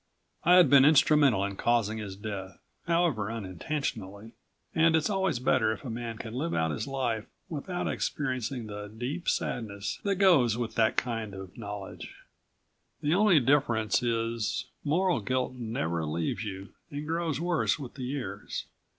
I had been instrumental in causing his death, however unintentionally, and it's always better if a man can live out his life without experiencing the deep sadness that goes with that kind of knowledge. The only difference is moral guilt never leaves you and grows worse with the years.